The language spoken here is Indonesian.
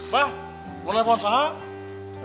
bah mau nelfon sama